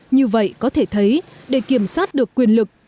như vậy có thể thấy để kiểm soát được quyền lực